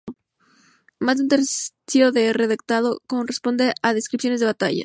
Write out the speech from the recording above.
Más de un tercio del redactado corresponde a descripciones de batallas.